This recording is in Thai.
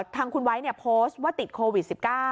ทางคุณไวท์เนี่ยโพสต์ว่าติดโควิด๑๙